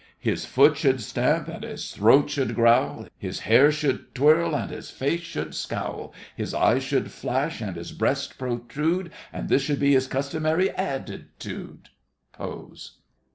His foot should stamp and his throat should growl, His hair should twirl and his face should scowl; His eyes should flash and his breast protrude, And this should be his customary attitude—(pose).